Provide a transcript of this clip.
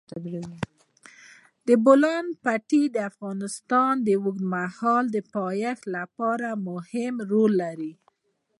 د بولان پټي د افغانستان د اوږدمهاله پایښت لپاره مهم رول لري.